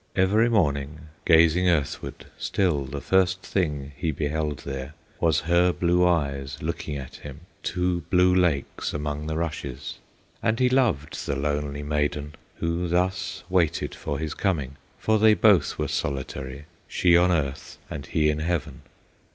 Every morning, gazing earthward, Still the first thing he beheld there Was her blue eyes looking at him, Two blue lakes among the rushes. And he loved the lonely maiden, Who thus waited for his coming; For they both were solitary, She on earth and he in heaven.